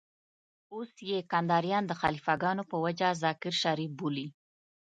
اوس يې کنداريان د خليفه ګانو په وجه ذاکر شريف بولي.